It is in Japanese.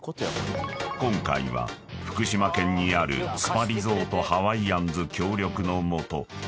［今回は福島県にあるスパリゾートハワイアンズ協力の下］